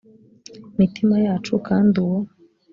mitima yacu kandi uwo